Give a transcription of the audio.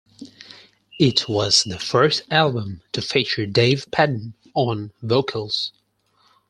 It was the first album to feature Dave Padden on vocals.